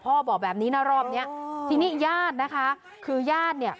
บอกแบบนี้นะรอบเนี้ยทีนี้ญาตินะคะคือญาติเนี่ย